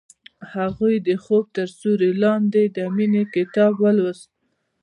هغې د خوب تر سیوري لاندې د مینې کتاب ولوست.